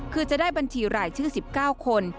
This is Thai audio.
คือจะได้บัญชีรายชื่อ๑๙คน